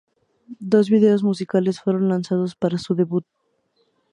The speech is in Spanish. Dos vídeos musicales fueron lanzados para su debut.